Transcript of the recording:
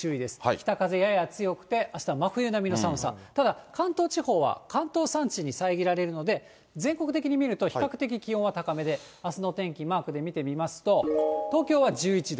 北風やや強くて、あしたは真冬並みの寒さ、ただ関東地方は関東山地に遮られるので、全国的に見ると、比較的気温は高めで、あすのお天気、マークで見てみますと、東京は１１度。